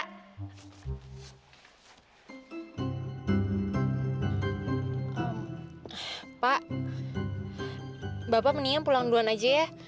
bapak bapak mendingan pulang duluan aja ya